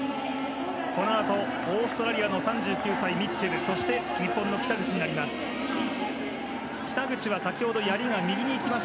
このあとオーストラリアの３９歳、ミッチェルそして日本の北口になります。